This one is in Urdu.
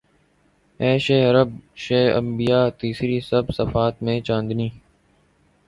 اے شہ عرب شہ انبیاء تیری سب صفات میں چاندنی